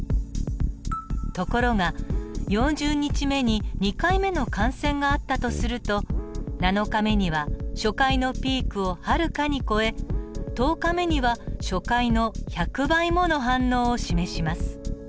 ところが４０日目に２回目の感染があったとすると７日目には初回のピークをはるかに超え１０日目には初回の１００倍もの反応を示します。